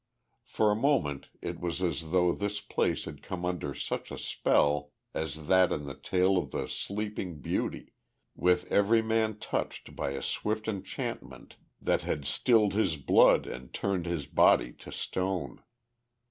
For a moment it was as though this place had come under such a spell as that in the tale of the Sleeping Beauty, with every man touched by a swift enchantment that had stilled his blood and turned his body to stone.